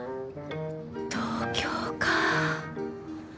東京か。